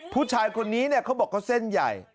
ผู้ชายคนนี้เขาบอกเขาเส้นใหญ่